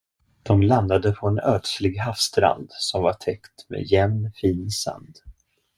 De landade på en ödslig havsstrand, som var täckt med jämn, fin sand.